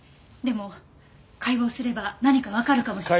でも解剖すれば何かわかるかも。